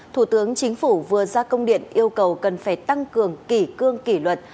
thủ tướng chính phủ vừa ra công điện yêu cầu cần phải tăng cường kỷ cương kỷ luật